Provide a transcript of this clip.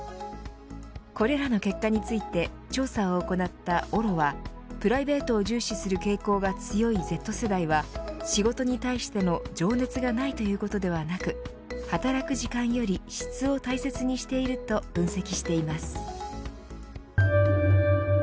これらの結果について調査を行ったオロはプライベートを重視する傾向が強いＺ世代は仕事に対しての情熱がないということではなく働く時間より質を大切にしていると分析しています。